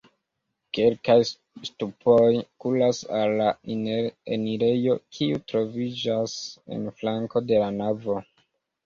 Kelkaj ŝtupoj kuras al la enirejo, kiu troviĝas en flanko de la navo.